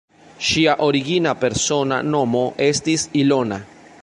Ŝia origina persona nomo estis "Ilona".